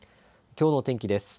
きょうの天気です。